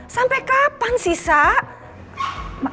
sampai kapan sih sa